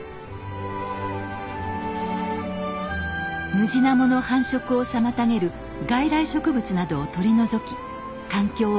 ムジナモの繁殖を妨げる外来植物などを取り除き環境を守ってきました。